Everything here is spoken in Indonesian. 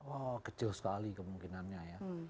oh kecil sekali kemungkinannya ya